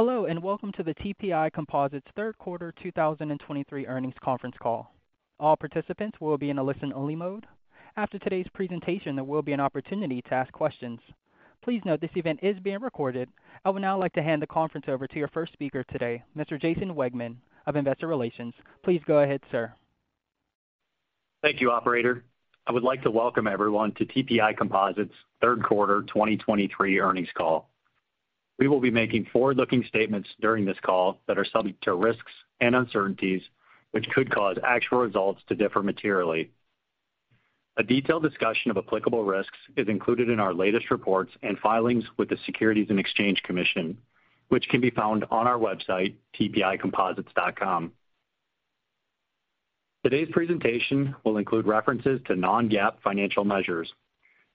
Hello, and welcome to the TPI Composites' Third Quarter 2023 Earnings Conference Call. All participants will be in a listen-only mode. After today's presentation, there will be an opportunity to ask questions. Please note this event is being recorded. I would now like to hand the conference over to your first speaker today, Mr. Jason Wegmann of Investor Relations. Please go ahead, sir. Thank you, operator. I would like to welcome everyone to TPI Composites' Third Quarter 2023 Earnings Call. We will be making forward-looking statements during this call that are subject to risks and uncertainties, which could cause actual results to differ materially. A detailed discussion of applicable risks is included in our latest reports and filings with the Securities and Exchange Commission, which can be found on our website, tpicomposites.com. Today's presentation will include references to non-GAAP financial measures.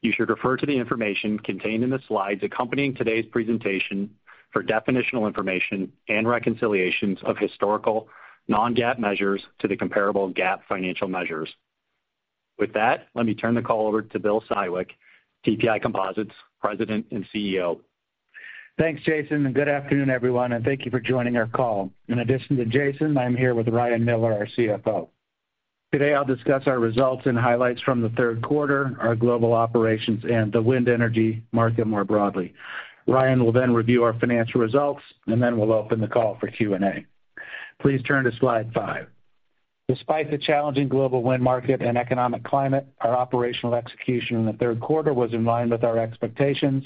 You should refer to the information contained in the slides accompanying today's presentation for definitional information and reconciliations of historical non-GAAP measures to the comparable GAAP financial measures. With that, let me turn the call over to Bill Siwek, TPI Composites' President and CEO. Thanks, Jason, and good afternoon, everyone, and thank you for joining our call. In addition to Jason, I'm here with Ryan Miller, our CFO. Today, I'll discuss our results and highlights from the third quarter, our global operations, and the wind energy market more broadly. Ryan will then review our financial results, and then we'll open the call for Q&A. Please turn to slide 5. Despite the challenging global wind market and economic climate, our operational execution in the third quarter was in line with our expectations,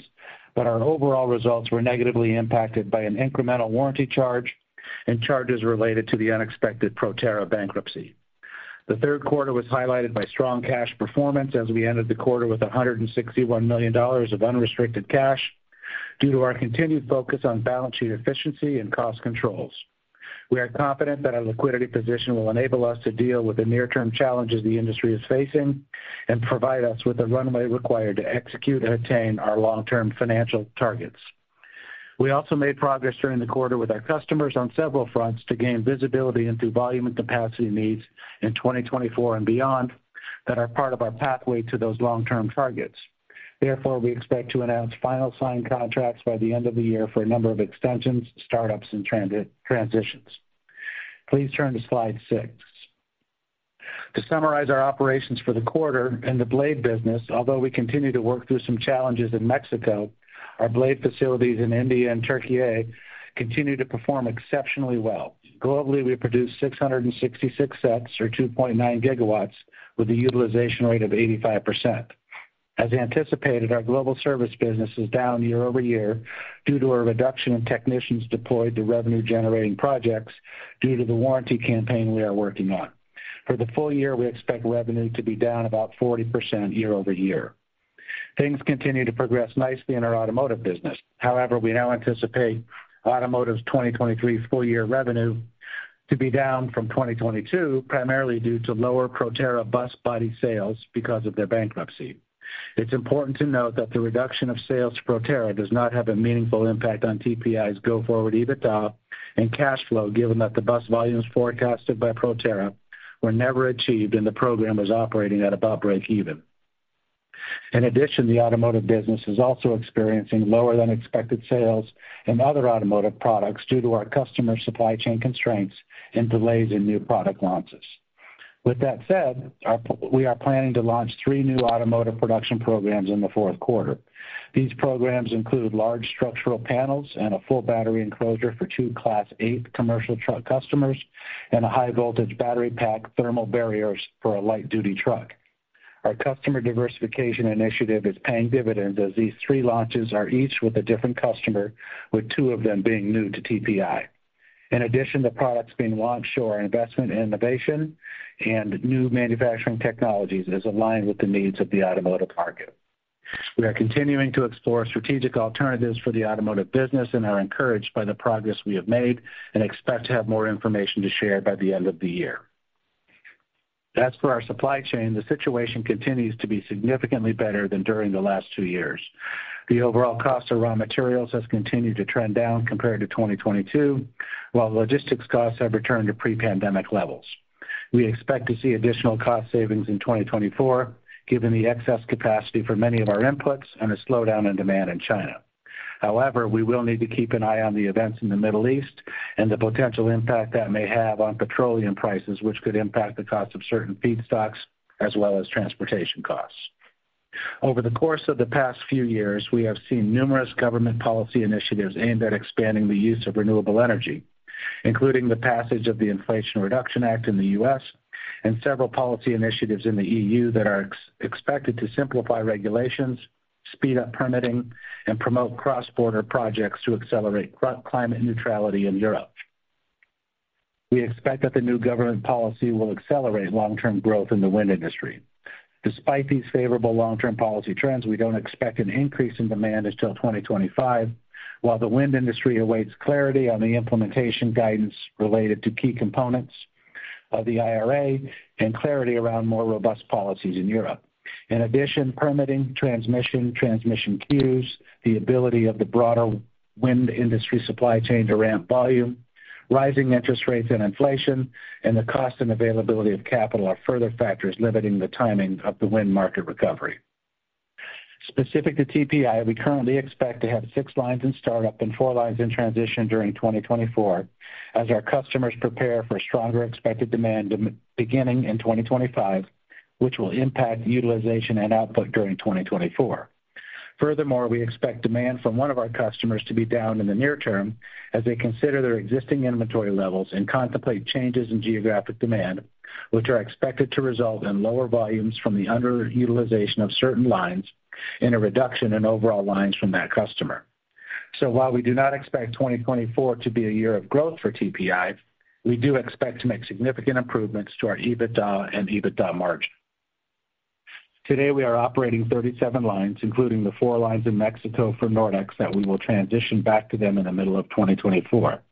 but our overall results were negatively impacted by an incremental warranty charge and charges related to the unexpected Proterra bankruptcy. The third quarter was highlighted by strong cash performance as we ended the quarter with $161 million of unrestricted cash due to our continued focus on balance sheet efficiency and cost controls. We are confident that our liquidity position will enable us to deal with the near-term challenges the industry is facing and provide us with the runway required to execute and attain our long-term financial targets. We also made progress during the quarter with our customers on several fronts to gain visibility into volume and capacity needs in 2024 and beyond that are part of our pathway to those long-term targets. Therefore, we expect to announce final signed contracts by the end of the year for a number of extensions, startups, and transitions. Please turn to slide 6. To summarize our operations for the quarter in the blade business, although we continue to work through some challenges in Mexico, our blade facilities in India and Türkiye continue to perform exceptionally well. Globally, we produced 666 sets or 2.9 gigawatts with a utilization rate of 85%. As anticipated, our global service business is down year-over-year due to a reduction in technicians deployed to revenue-generating projects due to the warranty campaign we are working on. For the full year, we expect revenue to be down about 40% year-over-year. Things continue to progress nicely in our automotive business. However, we now anticipate automotive's 2023 full year revenue to be down from 2022, primarily due to lower Proterra bus body sales because of their bankruptcy. It's important to note that the reduction of sales to Proterra does not have a meaningful impact on TPI's go-forward EBITDA and cash flow, given that the bus volumes forecasted by Proterra were never achieved and the program was operating at about breakeven. In addition, the automotive business is also experiencing lower than expected sales in other automotive products due to our customer supply chain constraints and delays in new product launches. With that said, we are planning to launch three new automotive production programs in the fourth quarter. These programs include large structural panels and a full battery enclosure for two Class 8 commercial truck customers and a high-voltage battery pack thermal barriers for a light-duty truck. Our customer diversification initiative is paying dividends as these three launches are each with a different customer, with two of them being new to TPI. In addition, the products being launched show our investment in innovation and new manufacturing technologies that is aligned with the needs of the automotive market. We are continuing to explore strategic alternatives for the automotive business and are encouraged by the progress we have made and expect to have more information to share by the end of the year. As for our supply chain, the situation continues to be significantly better than during the last 2 years. The overall cost of raw materials has continued to trend down compared to 2022, while logistics costs have returned to pre-pandemic levels. We expect to see additional cost savings in 2024, given the excess capacity for many of our inputs and a slowdown in demand in China. However, we will need to keep an eye on the events in the Middle East and the potential impact that may have on petroleum prices, which could impact the cost of certain feedstocks as well as transportation costs. Over the course of the past few years, we have seen numerous government policy initiatives aimed at expanding the use of renewable energy, including the passage of the Inflation Reduction Act in the U.S. and several policy initiatives in the E.U. that are expected to simplify regulations, speed up permitting, and promote cross-border projects to accelerate climate neutrality in Europe. We expect that the new government policy will accelerate long-term growth in the wind industry. Despite these favorable long-term policy trends, we don't expect an increase in demand until 2025, while the wind industry awaits clarity on the implementation guidance related to key components of the IRA and clarity around more robust policies in Europe. In addition, permitting, transmission, transmission queues, the ability of the broader wind industry supply chain to ramp volume, rising interest rates and inflation, and the cost and availability of capital are further factors limiting the timing of the wind market recovery. Specific to TPI, we currently expect to have 6 lines in startup and 4 lines in transition during 2024 as our customers prepare for stronger expected demand beginning in 2025, which will impact utilization and output during 2024. Furthermore, we expect demand from one of our customers to be down in the near term as they consider their existing inventory levels and contemplate changes in geographic demand, which are expected to result in lower volumes from the underutilization of certain lines and a reduction in overall lines from that customer. So while we do not expect 2024 to be a year of growth for TPI, we do expect to make significant improvements to our EBITDA and EBITDA margin. Today, we are operating 37 lines, including the four lines in Mexico for Nordex, that we will transition back to them in the middle of 2024.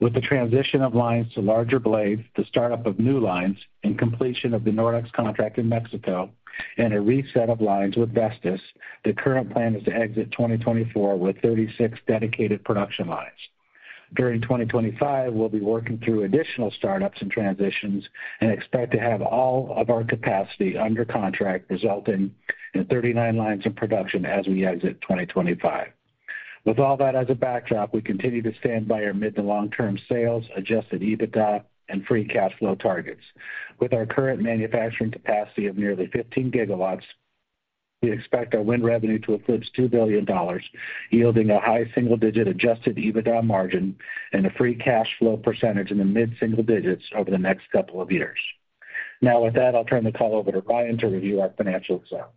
With the transition of lines to larger blades, the startup of new lines, and completion of the Nordex contract in Mexico, and a reset of lines with Vestas, the current plan is to exit 2024 with 36 dedicated production lines. During 2025, we'll be working through additional startups and transitions and expect to have all of our capacity under contract, resulting in 39 lines of production as we exit 2025. With all that as a backdrop, we continue to stand by our mid- to long-term sales, Adjusted EBITDA, and Free Cash Flow targets. With our current manufacturing capacity of nearly 15 GW, we expect our wind revenue to eclipse $2 billion, yielding a high single-digit Adjusted EBITDA margin and a Free Cash Flow percentage in the mid-single digits over the next couple of years. Now with that, I'll turn the call over to Ryan to review our financial results.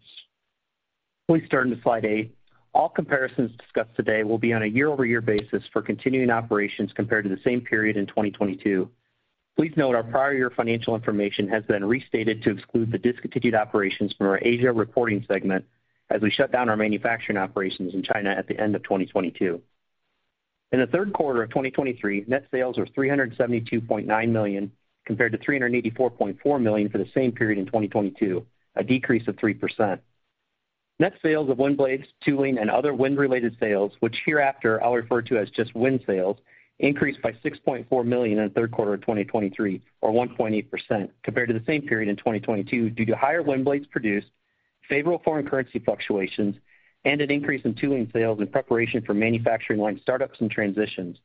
Please turn to slide 8. All comparisons discussed today will be on a year-over-year basis for continuing operations compared to the same period in 2022. Please note our prior year financial information has been restated to exclude the discontinued operations from our Asia reporting segment, as we shut down our manufacturing operations in China at the end of 2022. In the third quarter of 2023, net sales were $372.9 million, compared to $384.4 million for the same period in 2022, a decrease of 3%. Net sales of wind blades, tooling, and other wind-related sales, which hereafter I'll refer to as just wind sales, increased by $6.4 million in the third quarter of 2023, or 1.8%, compared to the same period in 2022, due to higher wind blades produced, favorable foreign currency fluctuations, and an increase in tooling sales in preparation for manufacturing line startups and transitions.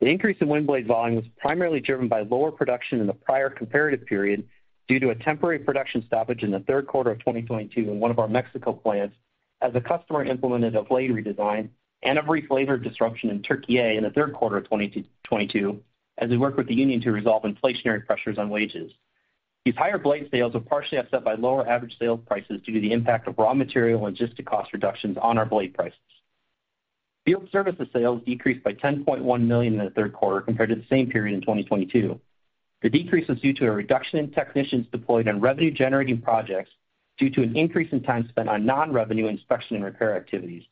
The increase in wind blade volume was primarily driven by lower production in the prior comparative period due to a temporary production stoppage in the third quarter of 2022 in one of our Mexico plants, as the customer implemented a blade redesign and a brief labor disruption in Türkiye in the third quarter of 2022, as we worked with the union to resolve inflationary pressures on wages. These higher blade sales were partially offset by lower average sales prices due to the impact of raw material and logistic cost reductions on our blade prices. Field Services sales decreased by $10.1 million in the third quarter compared to the same period in 2022. The decrease was due to a reduction in technicians deployed on revenue-generating projects due to an increase in time spent on non-revenue inspection and repair activities.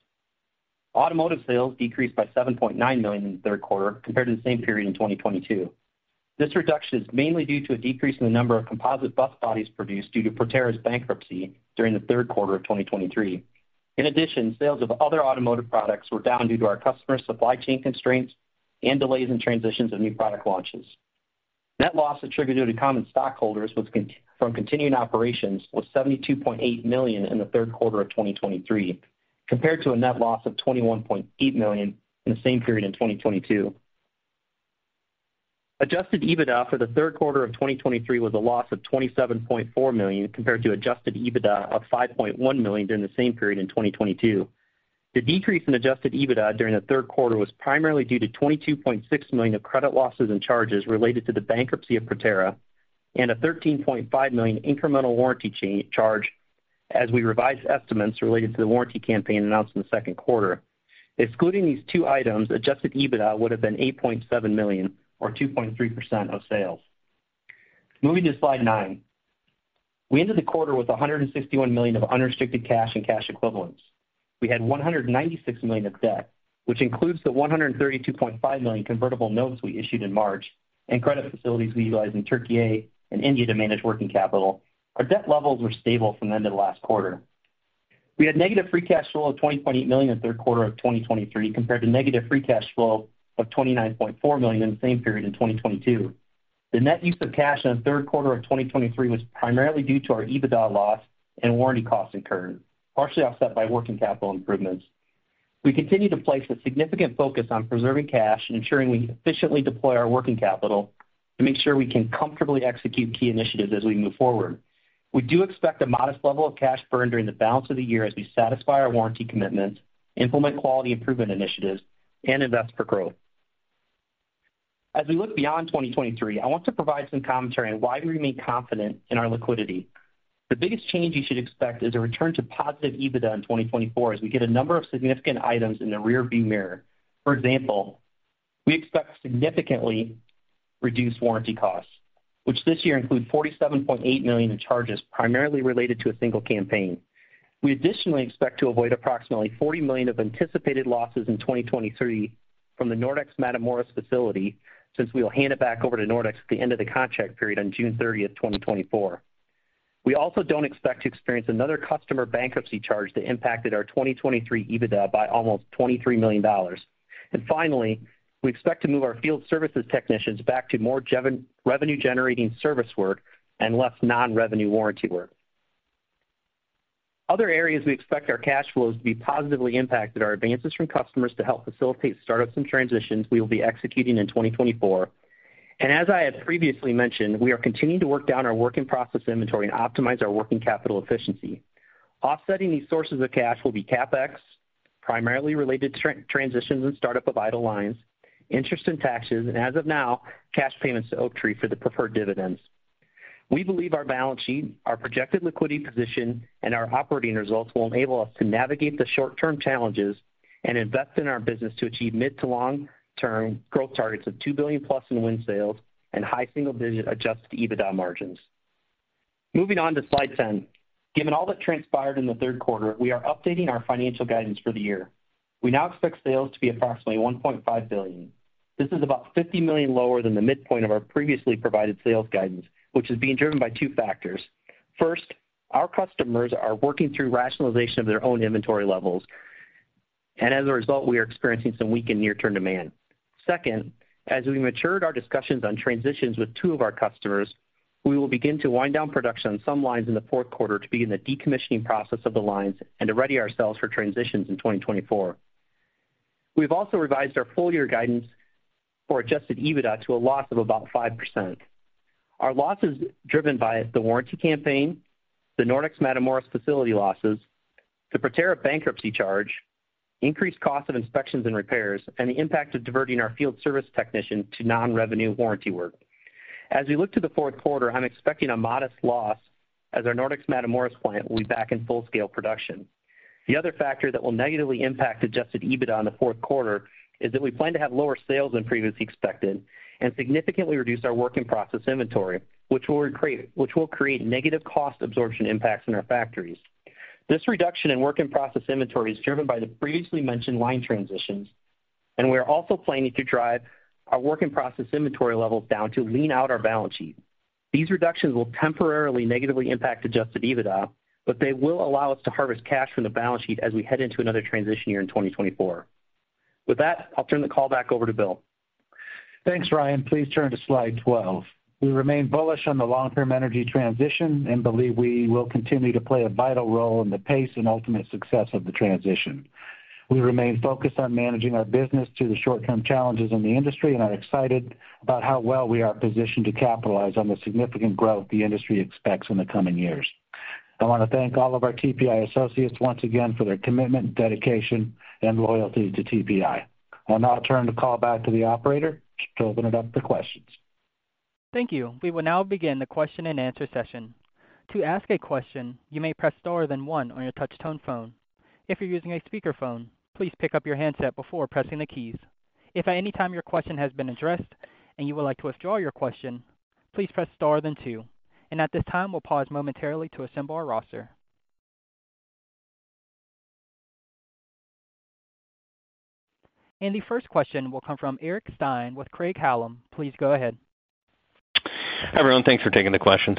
Automotive sales decreased by $7.9 million in the third quarter compared to the same period in 2022. This reduction is mainly due to a decrease in the number of composite bus bodies produced due to Proterra's bankruptcy during the third quarter of 2023. In addition, sales of other automotive products were down due to our customer supply chain constraints and delays in transitions of new product launches. Net loss attributable to common stockholders from continuing operations was $72.8 million in the third quarter of 2023, compared to a net loss of $21.8 million in the same period in 2022. Adjusted EBITDA for the third quarter of 2023 was a loss of $27.4 million, compared to adjusted EBITDA of $5.1 million during the same period in 2022. The decrease in adjusted EBITDA during the third quarter was primarily due to $22.6 million of credit losses and charges related to the bankruptcy of Proterra and a $13.5 million incremental warranty charge as we revised estimates related to the warranty campaign announced in the second quarter. Excluding these two items, adjusted EBITDA would have been $8.7 million, or 2.3% of sales. Moving to slide 9. We ended the quarter with $161 million of unrestricted cash and cash equivalents. We had $196 million of debt, which includes the $132.5 million convertible notes we issued in March and credit facilities we utilize in Türkiye and India to manage working capital. Our debt levels were stable from the end of the last quarter. We had negative free cash flow of $20.8 million in the third quarter of 2023, compared to negative free cash flow of $29.4 million in the same period in 2022. The net use of cash in the third quarter of 2023 was primarily due to our EBITDA loss and warranty costs incurred, partially offset by working capital improvements. We continue to place a significant focus on preserving cash and ensuring we efficiently deploy our working capital to make sure we can comfortably execute key initiatives as we move forward. We do expect a modest level of cash burn during the balance of the year as we satisfy our warranty commitments, implement quality improvement initiatives, and invest for growth. As we look beyond 2023, I want to provide some commentary on why we remain confident in our liquidity. The biggest change you should expect is a return to positive EBITDA in 2024, as we get a number of significant items in the rearview mirror. For example, we expect significantly reduced warranty costs, which this year include $47.8 million in charges, primarily related to a single campaign. We additionally expect to avoid approximately $40 million of anticipated losses in 2023 from the Nordex Matamoros facility, since we will hand it back over to Nordex at the end of the contract period on June 30, 2024. We also don't expect to experience another customer bankruptcy charge that impacted our 2023 EBITDA by almost $23 million. And finally, we expect to move our Field Services technicians back to more revenue-generating service work and less non-revenue warranty work. Other areas we expect our cash flows to be positively impacted are advances from customers to help facilitate startups and transitions we will be executing in 2024. And as I had previously mentioned, we are continuing to work down our work-in-process inventory and optimize our working capital efficiency. Offsetting these sources of cash will be CapEx, primarily related to transitions and startup of idle lines, interest and taxes, and as of now, cash payments to Oaktree for the preferred dividends. We believe our balance sheet, our projected liquidity position, and our operating results will enable us to navigate the short-term challenges and invest in our business to achieve mid- to long-term growth targets of $2 billion+ in wind sales and high single-digit Adjusted EBITDA margins. Moving on to slide 10. Given all that transpired in the third quarter, we are updating our financial guidance for the year. We now expect sales to be approximately $1.5 billion. This is about $50 million lower than the midpoint of our previously provided sales guidance, which is being driven by two factors. First, our customers are working through rationalization of their own inventory levels, and as a result, we are experiencing some weak and near-term demand. Second, as we matured our discussions on transitions with two of our customers, we will begin to wind down production on some lines in the fourth quarter to be in the decommissioning process of the lines and to ready ourselves for transitions in 2024. We've also revised our full year guidance for Adjusted EBITDA to a loss of about 5%. Our loss is driven by the warranty campaign, the Nordex Matamoros facility losses, the Proterra bankruptcy charge, increased cost of inspections and repairs, and the impact of diverting our field service technician to non-revenue warranty work. As we look to the fourth quarter, I'm expecting a modest loss as our Nordex Matamoros plant will be back in full-scale production. The other factor that will negatively impact Adjusted EBITDA in the fourth quarter is that we plan to have lower sales than previously expected and significantly reduce our Work-in-Process inventory, which will create negative cost absorption impacts in our factories. This reduction in Work-in-Process inventory is driven by the previously mentioned line transitions, and we are also planning to drive our Work-in-Process inventory levels down to lean out our balance sheet. These reductions will temporarily negatively impact Adjusted EBITDA, but they will allow us to harvest cash from the balance sheet as we head into another transition year in 2024. With that, I'll turn the call back over to Bill. Thanks, Ryan. Please turn to slide 12. We remain bullish on the long-term energy transition and believe we will continue to play a vital role in the pace and ultimate success of the transition. We remain focused on managing our business to the short-term challenges in the industry and are excited about how well we are positioned to capitalize on the significant growth the industry expects in the coming years. I want to thank all of our TPI associates once again for their commitment, dedication, and loyalty to TPI. I'll now turn the call back to the operator to open it up to questions. Thank you. We will now begin the question-and-answer session. To ask a question, you may press star then one on your touch-tone phone. If you're using a speakerphone, please pick up your handset before pressing the keys. If at any time your question has been addressed and you would like to withdraw your question, please press star then two. At this time, we'll pause momentarily to assemble our roster. The first question will come from Eric Stine with Craig-Hallum. Please go ahead. Hi, everyone. Thanks for taking the questions.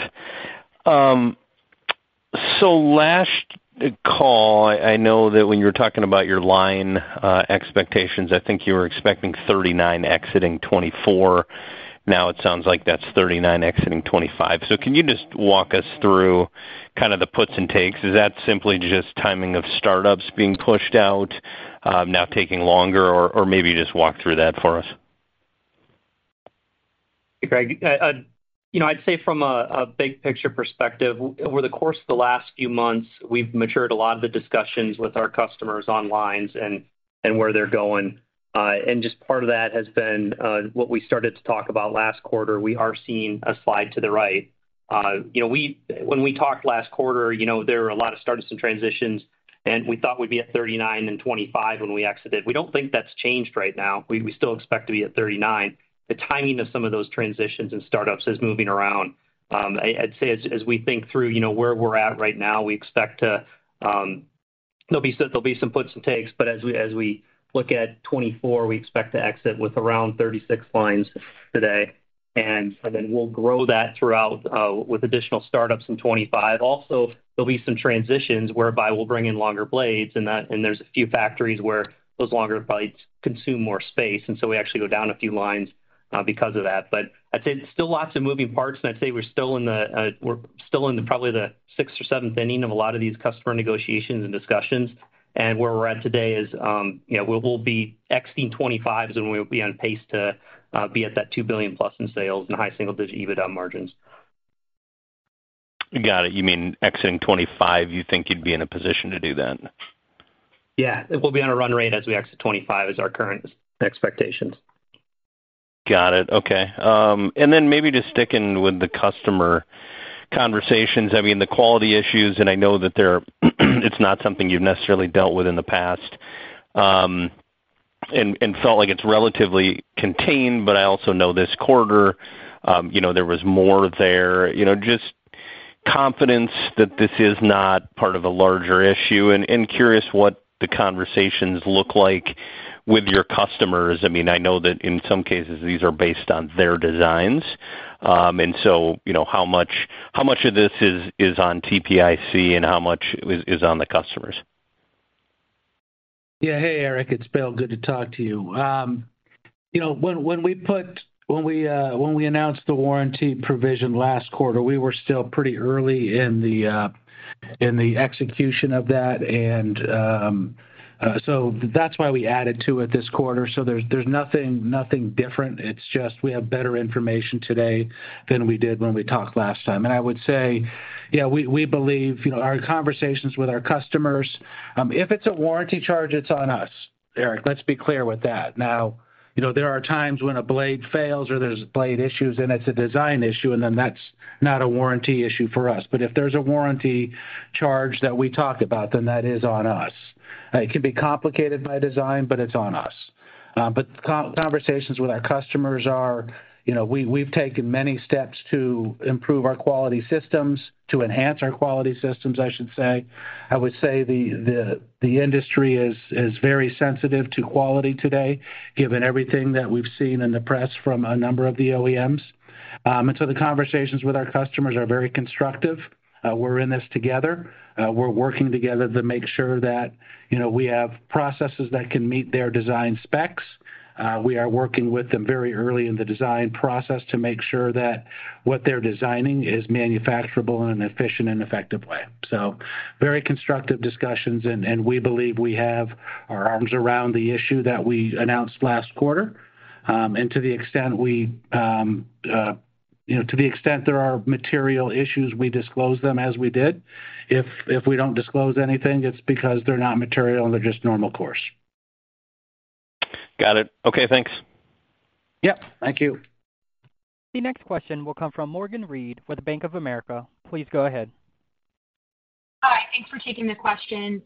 So last call, I know that when you were talking about your line expectations, I think you were expecting 39 exiting 2024. Now it sounds like that's 39 exiting 2025. So can you just walk us through kind of the puts and takes? Is that simply just timing of startups being pushed out, now taking longer, or maybe just walk through that for us? Hey, Greg, you know, I'd say from a big picture perspective, over the course of the last few months, we've matured a lot of the discussions with our customers on lines and where they're going. And just part of that has been what we started to talk about last quarter. We are seeing a slide to the right. You know, when we talked last quarter, you know, there were a lot of starts and transitions, and we thought we'd be at 39 in '25 when we exited. We don't think that's changed right now. We still expect to be at 39. The timing of some of those transitions and startups is moving around. I'd say as we think through, you know, where we're at right now, we expect there'll be some puts and takes, but as we look at '24, we expect to exit with around 36 lines today, and then we'll grow that throughout with additional startups in '25. Also, there'll be some transitions whereby we'll bring in longer blades, and there's a few factories where those longer blades consume more space, and so we actually go down a few lines because of that. But I'd say it's still lots of moving parts, and I'd say we're still in the probably the sixth or seventh inning of a lot of these customer negotiations and discussions. Where we're at today is, you know, we, we'll be exiting 2025, and we'll be on pace to be at that $2 billion+ in sales and high single-digit EBITDA margins. Got it. You mean exiting '25, you think you'd be in a position to do that? Yeah. We'll be on a run rate as we exit '25 is our current expectations. Got it. Okay. And then maybe just sticking with the customer conversations. I mean, the quality issues, and I know that they're, it's not something you've necessarily dealt with in the past, and felt like it's relatively contained, but I also know this quarter, you know, there was more there. You know, just confidence that this is not part of a larger issue, and curious what the conversations look like with your customers. I mean, I know that in some cases these are based on their designs, and so, you know, how much, how much of this is on TPIC and how much is on the customers? Yeah. Hey, Eric, it's Bill. Good to talk to you. You know, when we announced the warranty provision last quarter, we were still pretty early in the execution of that, and so that's why we added to it this quarter. So there's nothing different. It's just we have better information today than we did when we talked last time. And I would say, yeah, we believe, you know, our conversations with our customers, if it's a warranty charge, it's on us, Eric, let's be clear with that. Now, you know, there are times when a blade fails or there's blade issues, and it's a design issue, and then that's not a warranty issue for us. But if there's a warranty charge that we talked about, then that is on us. It can be complicated by design, but it's on us. Conversations with our customers are, you know, we've taken many steps to improve our quality systems, to enhance our quality systems, I should say. I would say the industry is very sensitive to quality today, given everything that we've seen in the press from a number of the OEMs. And so the conversations with our customers are very constructive. We're in this together. We're working together to make sure that, you know, we have processes that can meet their design specs. We are working with them very early in the design process to make sure that what they're designing is manufacturable in an efficient and effective way. So very constructive discussions, and we believe we have our arms around the issue that we announced last quarter. To the extent we, you know, to the extent there are material issues, we disclose them as we did. If we don't disclose anything, it's because they're not material, and they're just normal course. Got it. Okay, thanks. Yep, thank you. The next question will come from Morgan Reid with Bank of America. Please go ahead. Hi, thanks for taking the question.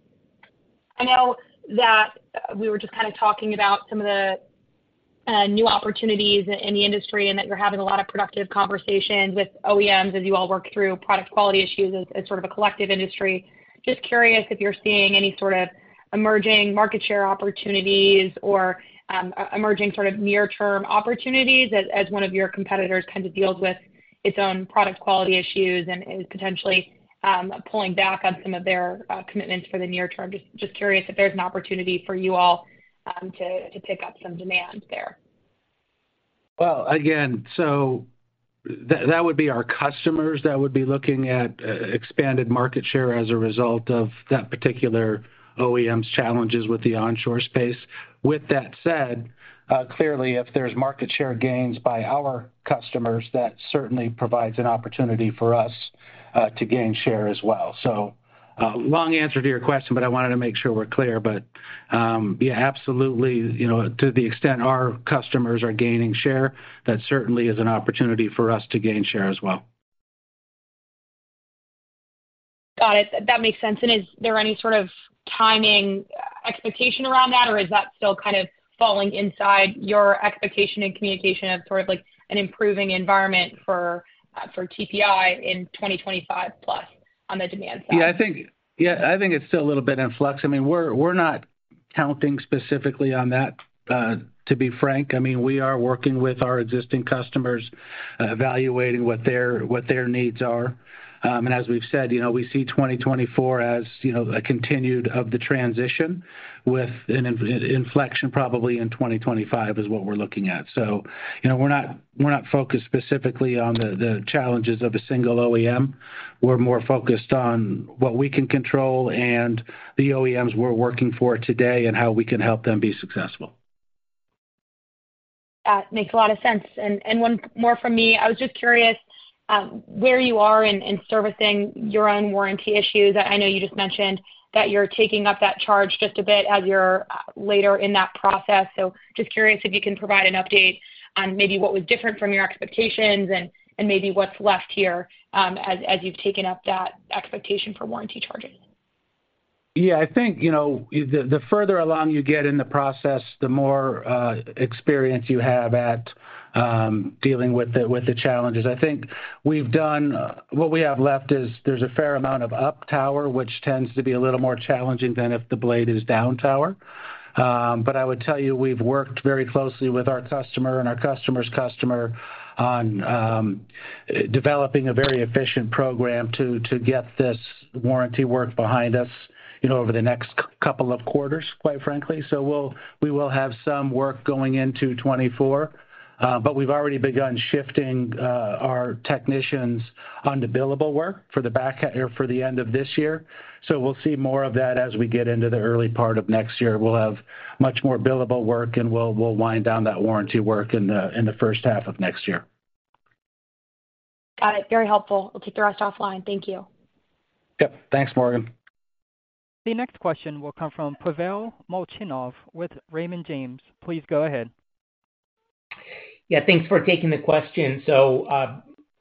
I know that we were just kind of talking about some of the new opportunities in the industry, and that you're having a lot of productive conversations with OEMs as you all work through product quality issues as sort of a collective industry. Just curious if you're seeing any sort of emerging market share opportunities or emerging sort of near-term opportunities as one of your competitors kind of deals with its own product quality issues and is potentially pulling back on some of their commitments for the near term. Just curious if there's an opportunity for you all to pick up some demand there. Well, again, so that, that would be our customers that would be looking at expanded market share as a result of that particular OEM's challenges with the onshore space. With that said, clearly, if there's market share gains by our customers, that certainly provides an opportunity for us to gain share as well. So, long answer to your question, but I wanted to make sure we're clear. But, yeah, absolutely, you know, to the extent our customers are gaining share, that certainly is an opportunity for us to gain share as well. Got it. That makes sense. Is there any sort of timing expectation around that, or is that still kind of falling inside your expectation and communication of sort of like an improving environment for TPI in 2025 plus on the demand side? Yeah, I think, yeah, I think it's still a little bit in flux. I mean, we're not counting specifically on that, to be frank. I mean, we are working with our existing customers, evaluating what their needs are. And as we've said, you know, we see 2024 as, you know, a continuation of the transition, with an inflection probably in 2025, is what we're looking at. So, you know, we're not focused specifically on the challenges of a single OEM. We're more focused on what we can control and the OEMs we're working for today and how we can help them be successful. That makes a lot of sense. And one more from me. I was just curious where you are in servicing your own warranty issues. I know you just mentioned that you're taking up that charge just a bit as you're later in that process. So just curious if you can provide an update on maybe what was different from your expectations and maybe what's left here as you've taken up that expectation for warranty charging. Yeah, I think, you know, the further along you get in the process, the more experience you have at dealing with the challenges. I think we've done. What we have left is there's a fair amount of up tower, which tends to be a little more challenging than if the blade is down tower. But I would tell you, we've worked very closely with our customer and our customer's customer on developing a very efficient program to get this warranty work behind us, you know, over the next couple of quarters, quite frankly. So we will have some work going into 2024, but we've already begun shifting our technicians onto billable work for the end of this year. So we'll see more of that as we get into the early part of next year. We'll have much more billable work, and we'll wind down that warranty work in the first half of next year. Got it. Very helpful. We'll take the rest offline. Thank you. Yep. Thanks, Morgan. The next question will come from Pavel Molchanov with Raymond James. Please go ahead. Yeah, thanks for taking the question. So,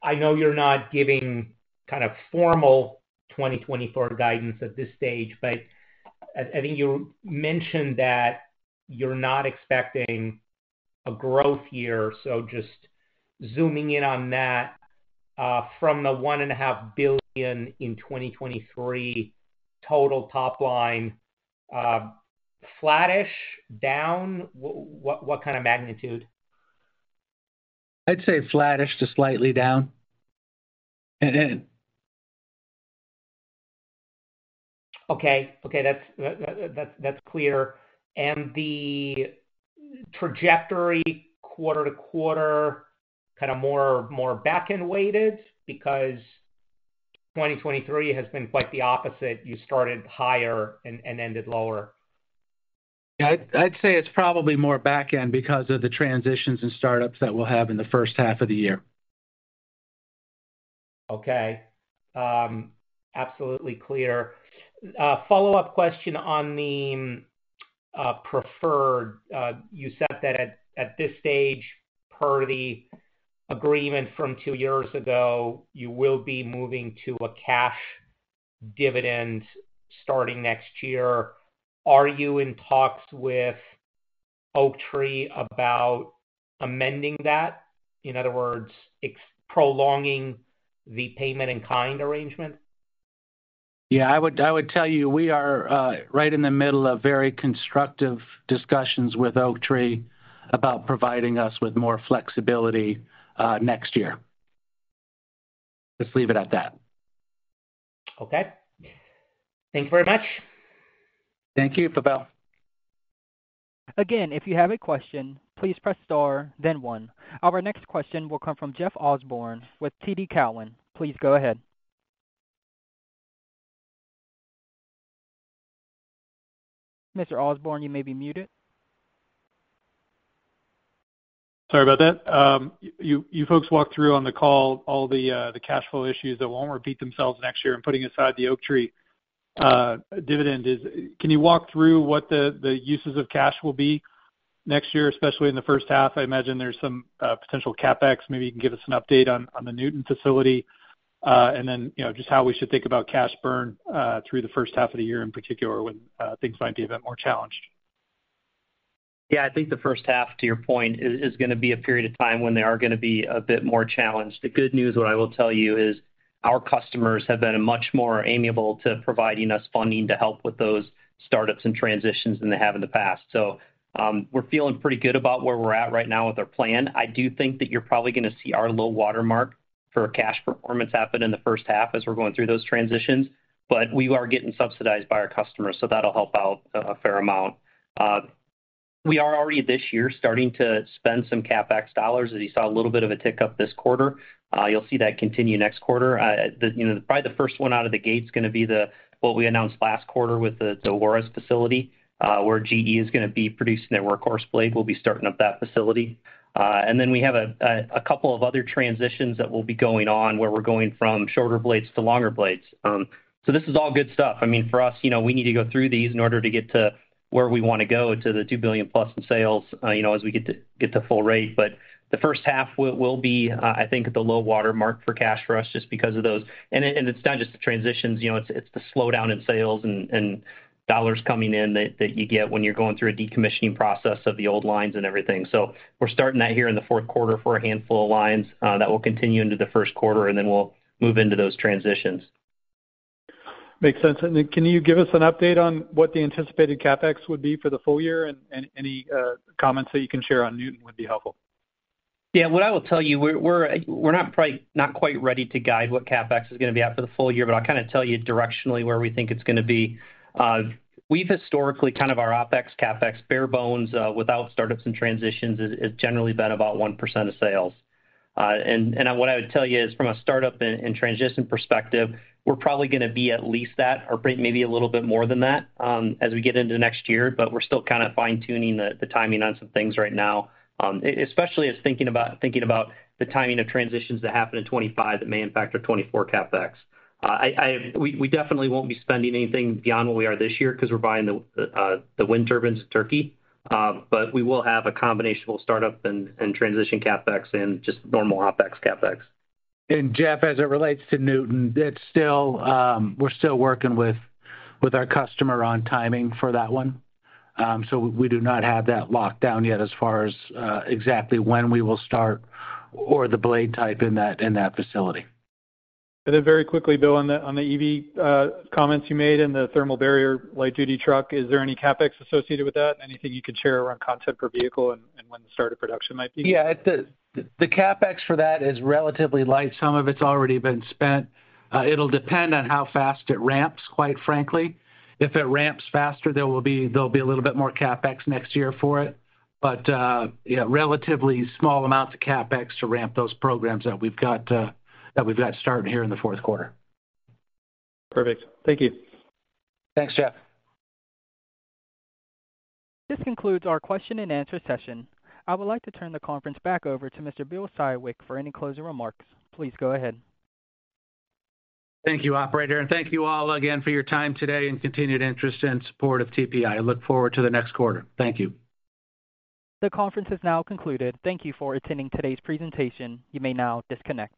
I know you're not giving kind of formal 2024 guidance at this stage, but I think you mentioned that you're not expecting a growth year. So just zooming in on that, from the $1.5 billion in 2023 total top line, flattish down, what kind of magnitude? I'd say flattish to slightly down, and end. Okay, okay, that's clear. And the trajectory quarter to quarter, kind of more back-end weighted? Because 2023 has been quite the opposite. You started higher and ended lower. Yeah, I'd say it's probably more back end because of the transitions and startups that we'll have in the first half of the year. Okay, absolutely clear. Follow-up question on the preferred. You said that at this stage, per the agreement from two years ago, you will be moving to a cash dividend starting next year. Are you in talks with Oaktree about amending that? In other words, prolonging the payment in kind arrangement. Yeah, I would tell you, we are right in the middle of very constructive discussions with Oaktree about providing us with more flexibility next year. Let's leave it at that. Okay. Thank you very much. Thank you, Pavel. Again, if you have a question, please press Star, then One. Our next question will come from Jeff Osborne with TD Cowen. Please go ahead. Mr. Osborne, you may be muted. Sorry about that. You folks walked through on the call, all the cash flow issues that won't repeat themselves next year, and putting aside the Oaktree dividend, is- can you walk through what the uses of cash will be next year, especially in the first half? I imagine there's some potential CapEx. Maybe you can give us an update on the Newton facility. And then, you know, just how we should think about cash burn through the first half of the year, in particular, when things might be a bit more challenged. Yeah, I think the first half, to your point, is, is gonna be a period of time when they are gonna be a bit more challenged. The good news, what I will tell you, is our customers have been much more amiable to providing us funding to help with those startups and transitions than they have in the past. So, we're feeling pretty good about where we're at right now with our plan. I do think that you're probably gonna see our low watermark for cash performance happen in the first half as we're going through those transitions, but we are getting subsidized by our customers, so that'll help out a, a fair amount. We are already, this year, starting to spend some CapEx dollars. As you saw, a little bit of a tick up this quarter. You'll see that continue next quarter. You know, probably the first one out of the gate is gonna be the, what we announced last quarter with the Juárez facility, where GE is gonna be producing their workhorse blade. We'll be starting up that facility. And then we have a couple of other transitions that will be going on, where we're going from shorter blades to longer blades. So this is all good stuff. I mean, for us, you know, we need to go through these in order to get to where we want to go, to the $2 billion+ in sales, you know, as we get to full rate. But the first half will be, I think, the low watermark for cash for us just because of those. And it's not just the transitions, you know, it's the slowdown in sales and dollars coming in that you get when you're going through a decommissioning process of the old lines and everything. So we're starting that here in the fourth quarter for a handful of lines that will continue into the first quarter, and then we'll move into those transitions. Makes sense. And then, can you give us an update on what the anticipated CapEx would be for the full year, and any comments that you can share on Newton would be helpful. Yeah, what I will tell you, we're not quite ready to guide what CapEx is gonna be after the full year, but I'll kind of tell you directionally where we think it's gonna be. We've historically, kind of our OpEx, CapEx, bare bones, without startups and transitions, is generally been about 1% of sales. And what I would tell you is from a startup and transition perspective, we're probably gonna be at least that or maybe a little bit more than that, as we get into next year. But we're still kind of fine-tuning the timing on some things right now. Especially as thinking about the timing of transitions that happen in 2025 that may impact our 2024 CapEx. We definitely won't be spending anything beyond what we are this year because we're buying the the wind turbines in Turkey. But we will have a combination, we'll start up and transition CapEx and just normal OpEx-CapEx. And Jeff, as it relates to Newton, it's still, we're still working with our customer on timing for that one. So we do not have that locked down yet as far as exactly when we will start or the blade type in that facility. Then very quickly, Bill, on the EV comments you made and the thermal barrier light-duty truck, is there any CapEx associated with that? Anything you could share around content per vehicle and when the start of production might be? Yeah, the CapEx for that is relatively light. Some of it's already been spent. It'll depend on how fast it ramps, quite frankly. If it ramps faster, there will be, there'll be a little bit more CapEx next year for it. But, yeah, relatively small amounts of CapEx to ramp those programs that we've got, that we've got starting here in the fourth quarter. Perfect. Thank you. Thanks, Jeff. This concludes our question and answer session. I would like to turn the conference back over to Mr. Bill Siwek for any closing remarks. Please go ahead. Thank you, operator, and thank you all again for your time today and continued interest and support of TPI. I look forward to the next quarter. Thank you. The conference has now concluded. Thank you for attending today's presentation. You may now disconnect.